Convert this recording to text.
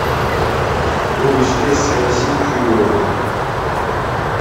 Бул иште саясий жүйөө бар.